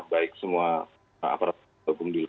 baik semua aparat hukum di